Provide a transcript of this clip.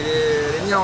đi ra đi nào